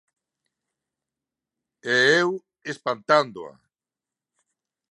E eu espantándoa.